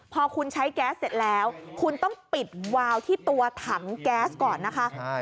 พอคุณใช้แก๊สเสร็จแล้วคุณต้องปิดวาวที่ตัวถังแก๊สก่อนนะคะ